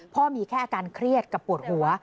มีแค่อาการเครียดกับปวดหัว